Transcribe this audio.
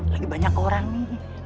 lagi banyak orang nih